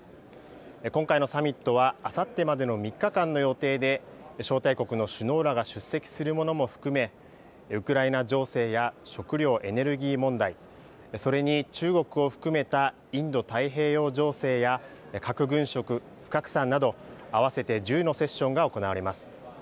今回のサミットはあさってまでの３日間の予定で招待国の首脳らが出席するものも含めウクライナ情勢や食料・エネルギー問題、それに中国を含めたインド太平洋情勢や核軍縮・不拡散など合わせて１０のセッションが行われます。